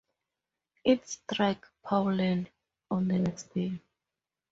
It struck Pawalan on the next day.